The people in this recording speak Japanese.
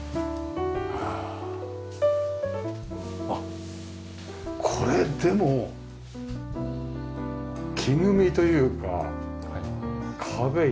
あっこれでも木組みというか壁いいですよね。